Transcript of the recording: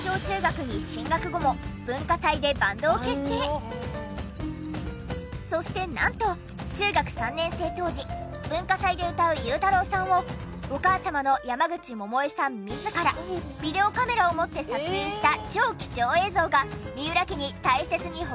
そしてそしてなんと中学３年生当時文化祭で歌う祐太朗さんをお母様の山口百恵さん自らビデオカメラを持って撮影したあ！